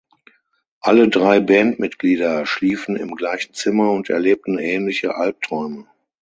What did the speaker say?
Alle drei Bandmitglieder schliefen im gleichen Zimmer und erlebten ähnliche Albträume.